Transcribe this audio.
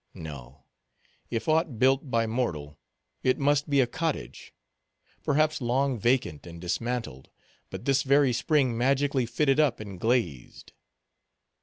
No; if aught built by mortal, it must be a cottage; perhaps long vacant and dismantled, but this very spring magically fitted up and glazed.